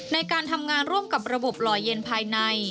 ในการทำงานร่วมกับระบบลอยเย็นภายใน